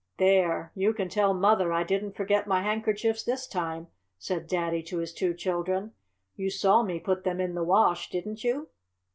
"There, you can tell Mother I didn't forget my handkerchiefs this time," said Daddy to his two children. "You saw me put them in the wash, didn't you?"